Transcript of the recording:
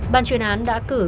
bàn chuyên án đã cưu